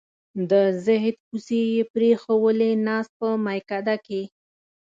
د زهد کوڅې یې پرېښوولې ناست په میکده کې